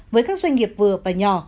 với các doanh nghiệp vừa và nhỏ